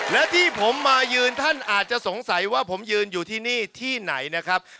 และที่ผมมายืนท่านอาจจะสงสัยว่าผมยืนอยู่ที่นี่ที่ไหนนะครับ